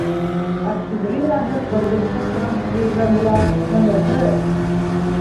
Октябринаһы Ҡотдосҡа сығам, тип йөрөгән була, быныһы...